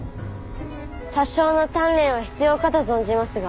多少の鍛錬は必要かと存じますが。